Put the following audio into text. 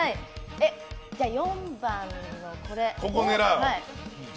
じゃあ４番のこれ。